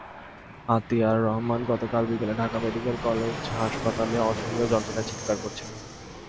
আতিয়ার রহমান গতকাল বিকেলে Dhaka medical college হাসপাতালে অসহনীয় যন্ত্রণায় চিৎকার করছিলেন।